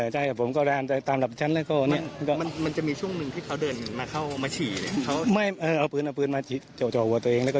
จ่อหัวตัวเองแล้วก็เดินลงไปฉีก